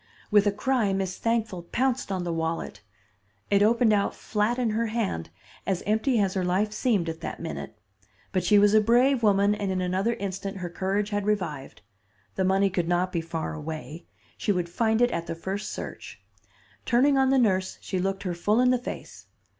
With a cry Miss Thankful pounced on the wallet. It opened out flat in her hand, as empty as her life seemed at that minute. But she was a brave woman and in another instant her courage had revived. The money could not be far away; she would find it at the first search. Turning on the nurse, she looked her full in the face.